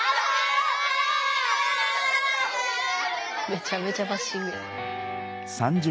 めちゃめちゃバッシング。